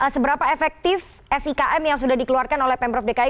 seberapa efektif sikm yang sudah dikeluarkan oleh pemprov dki